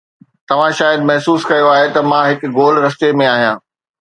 توهان شايد محسوس ڪيو آهي ته مان هڪ گول رستي ۾ آهيان